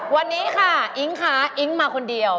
วันนี้ค่ะอิ๊งคะอิ๊งมาคนเดียว